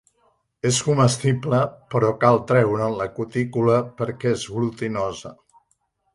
És comestible però cal treure'n la cutícula perquè és glutinosa.